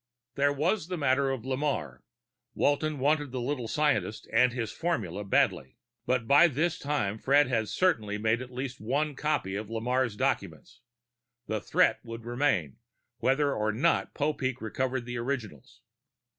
There was the matter of Lamarre. Walton wanted the little scientist and his formula badly. But by this time Fred had certainly made at least one copy of Lamarre's documents; the threat would remain, whether or not Popeek recovered the originals.